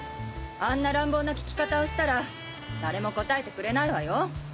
あんな乱暴な聞き方をしたら誰も答えてくれないわよ！